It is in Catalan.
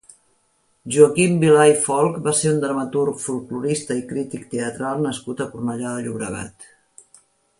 Joaquim Vilà i Folch va ser un dramaturg, folklorista i crític teatral nascut a Cornellà de Llobregat.